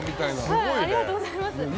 ありがとうございます。